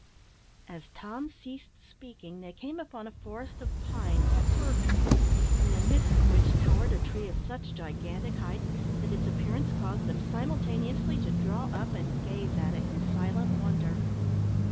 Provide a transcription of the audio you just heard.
As Tom ceased speaking they came upon a forest of pine, or fir trees, in the midst of which towered a tree of such gigantic height, that its appearance caused them simultaneously to draw up, and gaze at it in silent wonder.